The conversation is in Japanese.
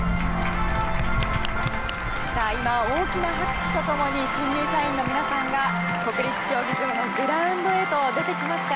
さあ今、大きな拍手と共に新入社員の皆さんが国立競技場のグラウンドへと出てきました。